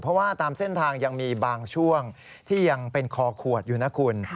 เพราะว่าตามเส้นทางยังมีบางช่วงที่ยังเป็นคอขวดอยู่นะคุณ